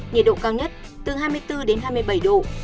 nhiệt độ cao nhất từ hai mươi bốn đến hai mươi bảy độ